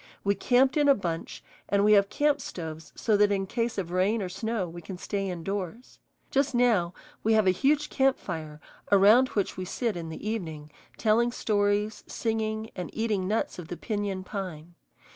We camped in a bunch, and we have camp stoves so that in case of rain or snow we can stay indoors. Just now we have a huge camp fire around which we sit in the evening, telling stories, singing, and eating nuts of the piñon pine.